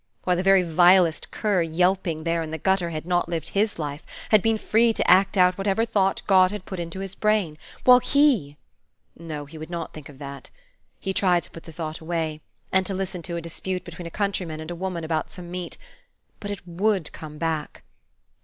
Why, the very vilest cur, yelping there in the gutter, had not lived his life, had been free to act out whatever thought God had put into his brain; while he No, he would not think of that! He tried to put the thought away, and to listen to a dispute between a countryman and a woman about some meat; but it would come back.